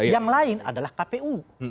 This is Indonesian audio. yang lain adalah kpu